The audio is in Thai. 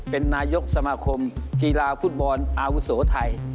เป็นนายกสมาคมกีฬาฟุตบอลอาวุโสไทย